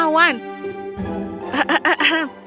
haruslah pangeran menawan